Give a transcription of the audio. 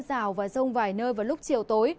giảm mưa rào và rông vài nơi vào lúc chiều tối